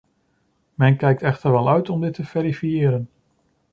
Men kijkt echter wel uit om dit te verifiëren.